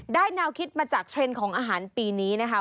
แนวคิดมาจากเทรนด์ของอาหารปีนี้นะคะ